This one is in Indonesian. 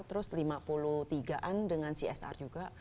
terus lima puluh tiga an dengan csr juga